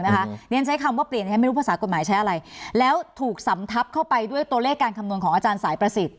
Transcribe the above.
เพราะฉะนั้นใช้คำว่าเปลี่ยนไม่รู้ภาษากฎหมายใช้อะไรแล้วถูกสำทับเข้าไปด้วยตัวเลขการคำนวณของอาจารย์สายประสิทธิ